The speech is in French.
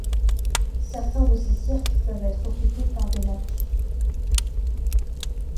Certains de ces cirques peuvent être occupés par des lacs.